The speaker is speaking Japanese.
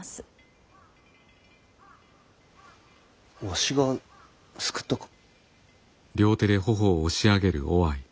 わしが救ったか？